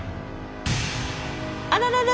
あららら。